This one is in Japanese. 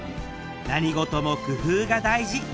何事も工夫が大事！